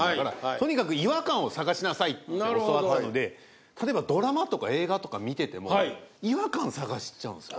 「とにかく」。って教わったので例えばドラマとか映画とか見てても違和感探しちゃうんですよ。